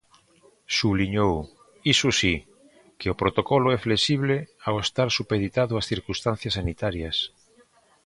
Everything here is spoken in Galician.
Subliñou, iso si, que o protocolo é flexible, ao estar supeditado ás circunstancias sanitarias.